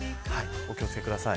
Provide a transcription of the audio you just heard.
お気を付けください。